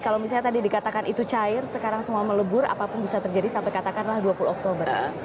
kalau misalnya tadi dikatakan itu cair sekarang semua melebur apapun bisa terjadi sampai katakanlah dua puluh oktober